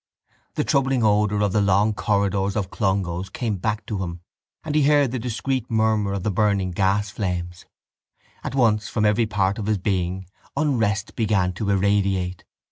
The troubling odour of the long corridors of Clongowes came back to him and he heard the discreet murmur of the burning gasflames. At once from every part of his being unrest began to irradiate.